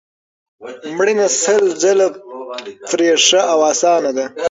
مړینه سل ځله پرې ښه او اسانه ده